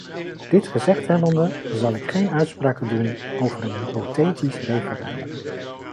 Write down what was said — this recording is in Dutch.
Dit gezegd hebbende, zal ik geen uitspraken doen over een hypothetisch referendum.